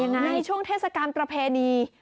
ในช่วงเทศกาลประเพณี